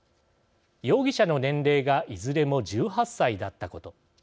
容疑者の年齢がいずれも１８歳だったこと。